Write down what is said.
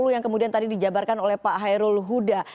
yang kemudian tadi dijabarkan oleh pak hairul huda